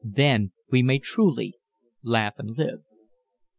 Then we may truly laugh and live.